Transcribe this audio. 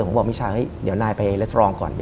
ผมบอกมิชาเดี๋ยวนายไปเลสเตอร์โรงก่อน